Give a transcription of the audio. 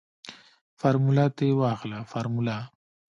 فارموله تې واخله فارموله.